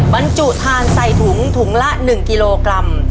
บรรจุทานใส่ถุงถุงละ๑กิโลกรัม